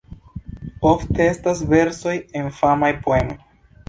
Ofte estas versoj el famaj poemoj.